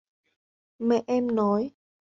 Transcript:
Mẹ em nói